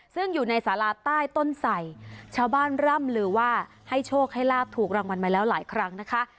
ซึ่งอยู่ในสาราใต้ต้นใส่ชาวบ้านร่ำลือว่าให้โชคให้ลาบถูกรางวัลมาแล้วหลายครั้งนะคะ